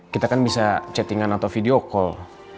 kita kan bisa chattingan atau video call